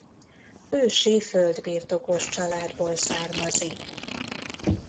Ősi földbirtokos családból származik.